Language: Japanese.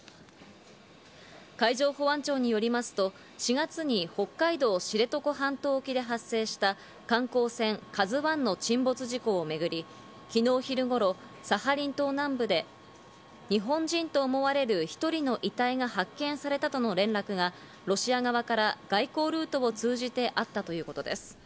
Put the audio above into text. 海上保安庁によりますと、４月に北海道・知床半島沖で発生した観光船「ＫＡＺＵ１」の沈没事故をめぐり、昨日昼頃、サハリン島南部で日本人と思われる１人の遺体が発見されたとの連絡がロシア側から外交ルートを通じてあったということです。